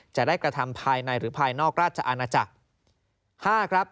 จะได้กระทำภายในหรือภายนอกราชอาณาจักร